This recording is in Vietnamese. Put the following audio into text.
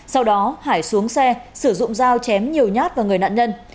sau đó hải xuống xe sử dụng dao chém nhiều nhát vào người nạn nhân